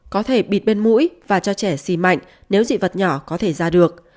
có thể bịt bên mũi và cho trẻ xì mạnh nếu dị vật nhỏ có thể ra được